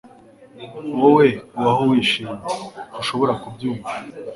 wowe, ubaho wishimye, ntushobora kubyumva